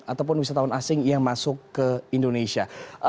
ataupun wisatawan asing yang masuk ke indonesia